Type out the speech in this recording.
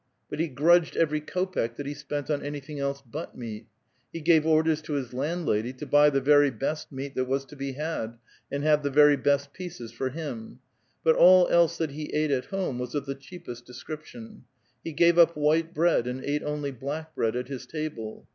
But he grudged every kopek that he spent on anything else but meat. He gave orders to his land ladv^ to buv the vers" best meat that was to be had, and have the very best pieces for him ; but all else that he ate at home was of the cheai)est description. He gave «p white bread and ate only black bread at his table.